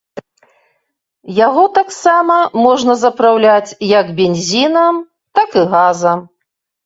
Яго таксама можна запраўляць як бензінам, так і газам.